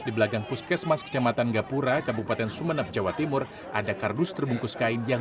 di belakang puskesmas kecamatan gapura kabupaten sumeneb jawa timur ada kardus terbungkus kain yang